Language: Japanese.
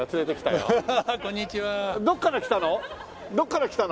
どこから来たの？